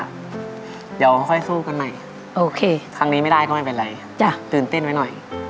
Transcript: เดี๋ยวค่อยสู้กันใหม่โอเคครั้งนี้ไม่ได้ก็ไม่เป็นไรจ้ะตื่นเต้นไว้หน่อย